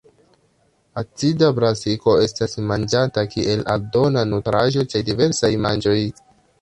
Acida brasiko estas manĝata kiel aldona nutraĵo ĉe diversaj manĝoj.